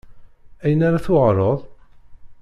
Ayen ara tuɣaleḍ?